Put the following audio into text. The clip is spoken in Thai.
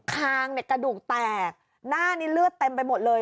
คางกระดูกแตกหน้านี้เลือดเต็มไปหมดเลย